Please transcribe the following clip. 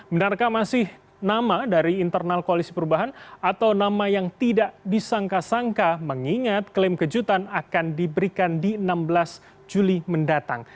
benarkah masih nama dari internal koalisi perubahan atau nama yang tidak disangka sangka mengingat klaim kejutan akan diberikan di enam belas juli mendatang